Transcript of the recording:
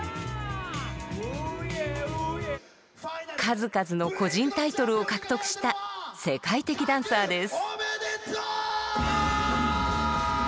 数々の個人タイトルを獲得した世界的ダンサーです。